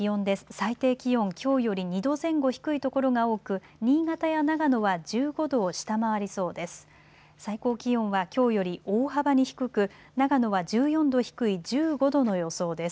最低気温きょうより２度前後低いところが多く新潟や長野は１５度を下回りそうです。